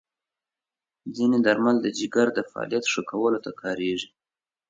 ځینې درمل د جګر د فعالیت ښه کولو ته کارېږي.